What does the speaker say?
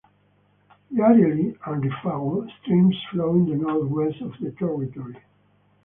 The Arielli and Rifago streams flow in the north west of the territory.